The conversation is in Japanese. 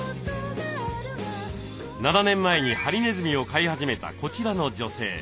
７年前にハリネズミを飼い始めたこちらの女性。